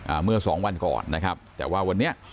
เมื่อสองวันก่อนนะครับแต่ว่าวันนี้